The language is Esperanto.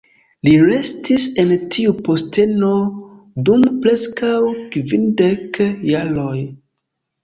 Li restis en tiu posteno dum preskaŭ kvindek jaroj.